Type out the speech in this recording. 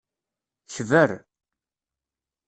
Kber.